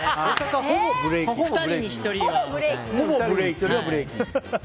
２人に１人は。